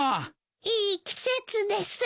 いい季節です。